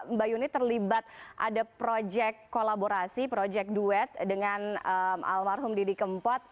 mbak yuni terlibat ada proyek kolaborasi proyek duet dengan almarhum didi kempot